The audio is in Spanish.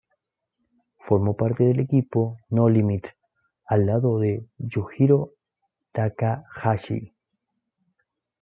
Formó parte del equipo "No Limit" a lado de Yujiro Takahashi.